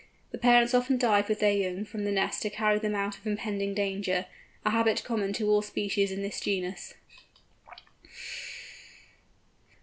The parents often dive with their young from the nest to carry them out of impending danger—a habit common to all species in this genus.